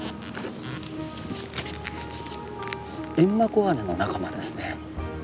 エンマコガネの仲間ですね。